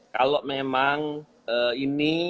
kalau memang ini